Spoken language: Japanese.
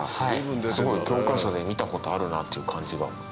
すごい教科書で見たことあるなっていう感じが。